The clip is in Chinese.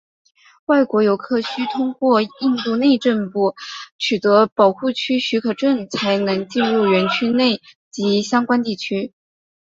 外国游客需通过印度内政部取得保护区许可证才能进入园区内及相关地区。